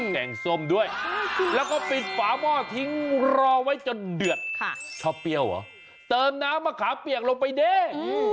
แกงส้มด้วยแล้วก็ปิดฝาหม้อทิ้งรอไว้จนเดือดชอบเปรี้ยวเหรอเติมน้ำมะขามเปียกลงไปเด้